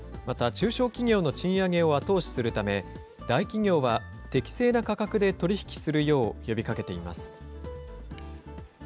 また、中小企業の賃上げを後押しするため、大企業は適正な価格で取り引きするよう呼びかけています。